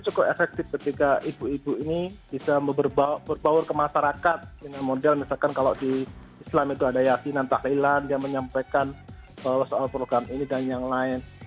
cukup efektif ketika ibu ibu ini bisa berbaur ke masyarakat dengan model misalkan kalau di islam itu ada yakinan tahlilan dia menyampaikan bahwa soal program ini dan yang lain